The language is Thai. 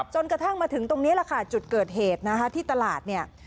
จนกระทั่งมาถึงตรงนี้แหละค่ะจุดเกิดเหตุนะคะที่ตลาดเนี่ย